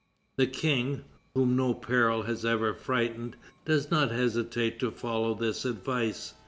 The King, whom no peril has ever frightened, does not hesitate to follow this advice.